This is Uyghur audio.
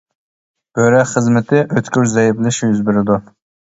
بۆرەك خىزمىتى ئۆتكۈر زەئىپلىشىش يۈز بېرىدۇ.